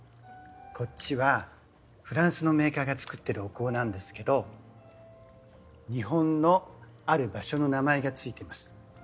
こっちはフランスのメーカーが作ってるお香なんですけど日本のある場所の名前が付いてます。